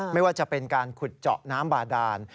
ไม่ว่าจะเป็นการขุดเจาะน้ำบาดาน